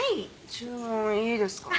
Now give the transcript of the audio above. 注文いいですか？